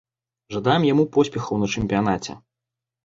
Жадаем яму поспехаў на чэмпіянаце.